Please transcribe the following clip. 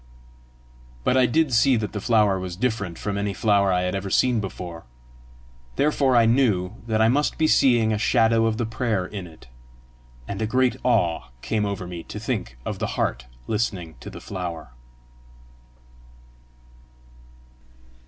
But I did see that the flower was different from any flower I had ever seen before; therefore I knew that I must be seeing a shadow of the prayer in it; and a great awe came over me to think of the heart listening to the flower.